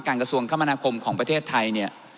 กระทรวงคมนาคมของประเทศไทยเนี่ย